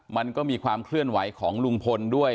มันก็มีความเคลื่อนไหวของลุงพลด้วย